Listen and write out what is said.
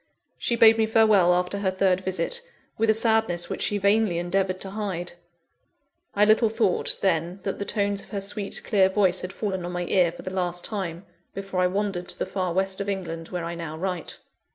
She bade me farewell after her third visit, with a sadness which she vainly endeavoured to hide. I little thought, then, that the tones of her sweet, clear voice had fallen on my ear for the last time, before I wandered to the far West of England where I now write.